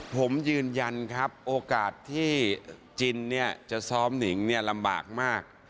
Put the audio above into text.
ผมยืนยันครับโอกาสที่จิ้นจะซ้อมหนิงลำบากมาก